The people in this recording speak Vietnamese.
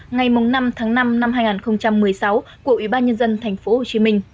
ngày năm năm hai nghìn một mươi sáu của ủy ban nhân dân tp hcm